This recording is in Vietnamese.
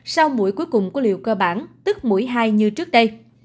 sau mũi cuối cùng của liều cơ bản tức mũi hai như trước đây